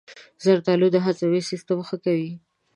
زردآلو د هاضمې سیستم ښه کوي.